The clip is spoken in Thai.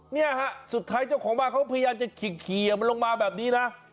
เนี่ยฮะสุดท้ายเจ้าของบ้านเขาพยายามจะขี่มันลงมาแบบนี้นะ